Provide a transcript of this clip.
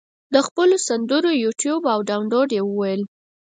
د خپلو سندرو یوټیوب او دانلود یې وویل.